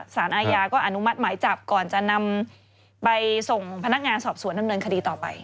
สารอาญาก็อนุมัติหมายจับก่อนจะนำไปส่งพนักงานสอบสวนดำเนินคดีต่อไป